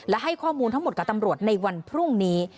และให้ข้อมูลทั้งหมดกับตำรวจในวันพรุ่งนี้